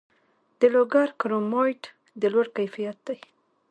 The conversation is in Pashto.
د لوګر کرومایټ د لوړ کیفیت دی